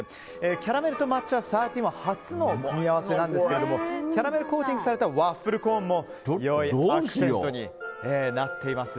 キャラメルと抹茶はサーティーワンで初の組み合わせなんですけどもキャラメルコーティングされたワッフルコーンも良いアクセントになっています。